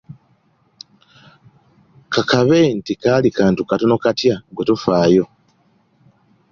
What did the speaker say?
Ka kabe nti kaali kantu katono katya ggwe tofaayo!